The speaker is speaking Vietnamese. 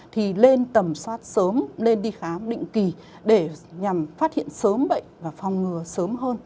thì lên tầm soát sớm nên đi khám định kỳ để nhằm phát hiện sớm bệnh và phòng ngừa sớm hơn